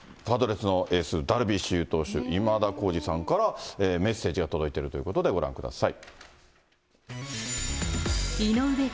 パドレスのエース、ダルビッシュ有投手、今田耕司さんから、メッセージが届いているということで、ご覧ください。